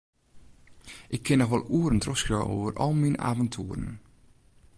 Ik kin noch wol oeren trochskriuwe oer al myn aventoeren.